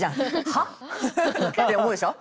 「はっ？」て思うでしょ？